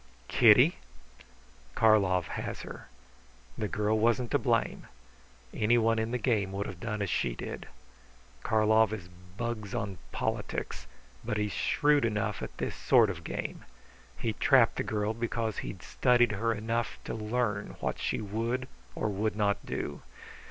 "Kitty?" "Karlov has her. The girl wasn't to blame. Any one in the game would have done as she did. Karlov is bugs on politics; but he's shrewd enough at this sort of game. He trapped the girl because he'd studied her enough to learn what she would or would not do.